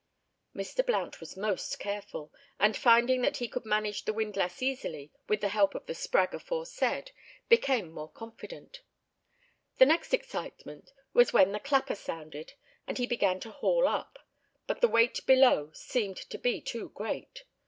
'" Mr. Blount was most careful, and finding that he could manage the windlass easily, with the help of the "sprag" aforesaid, became more confident. The next excitement was when the clapper sounded, and he began to haul up. But the weight below seemed to be too great.